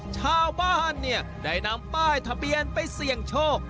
ชาวบ้านเนี่ยได้นำป้ายทะเบียนไปเสี่ยงโชค